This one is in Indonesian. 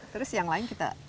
terus yang lain kita